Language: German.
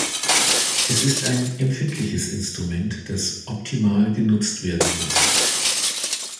Es ist ein empfindliches Instrument, das optimal genutzt werden muss.